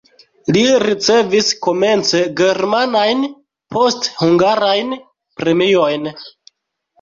Li ricevis komence germanajn, poste hungarajn premiojn.